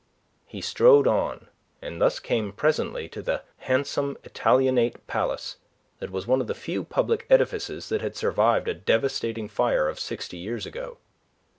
He strode on, and thus came presently to the handsome Italianate palace that was one of the few public edifices that had survived the devastating fire of sixty years ago.